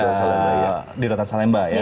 ya ada di rutan salemba ya